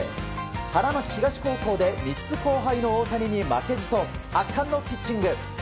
花巻東高校で３つ後輩の大谷に負けじと圧巻のピッチング。